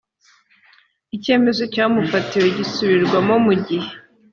icyemezo cyamufatiwe gisubirwamo mu gihe